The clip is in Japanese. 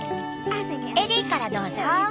エリーからどうぞ。